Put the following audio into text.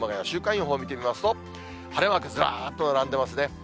週間予報を見てみますと、晴れマークずらっと並んでますね。